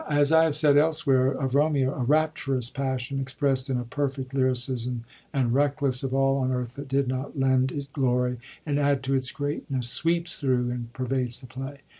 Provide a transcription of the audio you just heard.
As I have said elsewhere of Bovneo, 'a rapturous passion, exprest in a perfect lyricism, and reckless of all on earth that did not lend it glory and add to its greatness, sweeps through and per vades the play.'